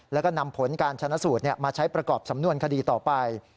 แล้วก็นำผลการชนะสูตรมาใช้ประกอบสำนวนคดีต่อไป